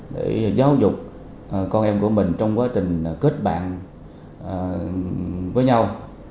để giáo dục con em của mình trong quá trình kết bạn với nhau